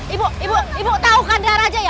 ibu ibu ibu tau kan dia raja ya